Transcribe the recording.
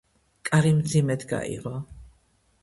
კარი მძიმედ გაიღო.